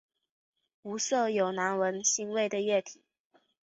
无色有难闻腥味的液体。